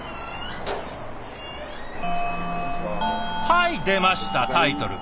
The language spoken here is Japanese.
はい出ましたタイトル。